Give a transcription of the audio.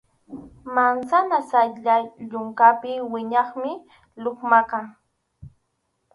Mansana sayay yunkapi wiñaqmi lukmaqa.